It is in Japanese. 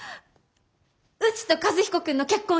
うちと和彦君の結婚